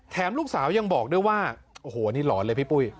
ลูกสาวยังบอกด้วยว่าโอ้โหนี่หลอนเลยพี่ปุ้ย